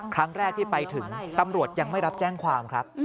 ครั้งแรกที่ไปถึงตำรวจยังไม่รับแจ้งความครับ